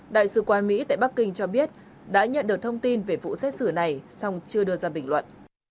đại sứ quán mỹ tại bắc kinh cho biết đã nhận được thông tin về vụ xét xử này song chưa đưa ra bình luận